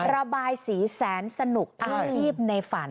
ระบายสีแสนสนุกอาชีพในฝัน